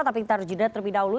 tapi kita harus jeda terlebih dahulu